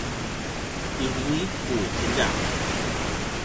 ini ku keljang